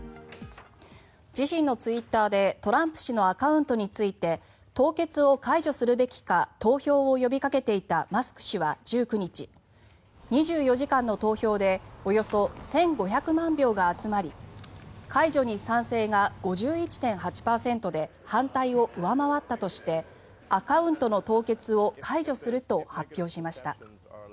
自身のツイッターでトランプ氏のアカウントについて凍結を解除するべきか投票を呼びかけていたマスク氏は１９日２４時間の投票でおよそ１５００万票が集まり解除に賛成が５１．８％で反対を上回ったとしてアカウントの凍結を解除すると発表しました。